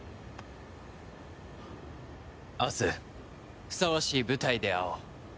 明日ふさわしい舞台で会おう。